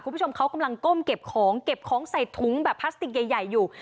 คุณผู้ชมเขากำลังก้มเก็บของเก็บของใส่ถุงแบบพลาสติกใหญ่อยู่